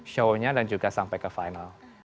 show nya dan juga sampai ke final